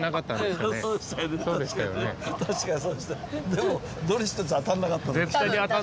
でもどれ一つ当たんなかった。